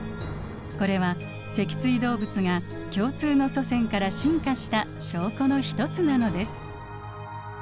これは脊椎動物が共通の祖先から進化した証拠の一つなのです。